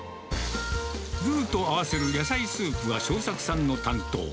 ルーと合わせるスープ作りは正作さんの担当。